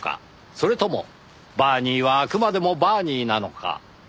それともバーニーはあくまでもバーニーなのか？